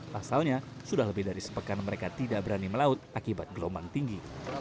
pasalnya sudah lebih dari sepekan mereka tidak berani melaut akibat gelombang tinggi